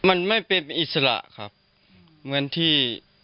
มันไม่เป็นอิสระครับเหมือนที่